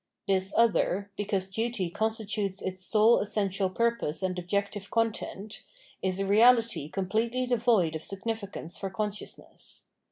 This other, because duty constitutes its sole essential purpose and objective con tent, is a reality completely devoid of significance for consciousness.